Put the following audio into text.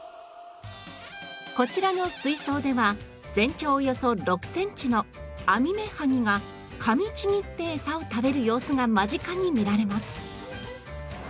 こちらの水槽では全長およそ６センチのアミメハギがかみちぎってエサを食べる様子が間近に見られます。